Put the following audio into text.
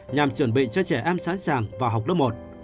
nhằm chuẩn bị cho trẻ em sẵn sàng vào học lớp một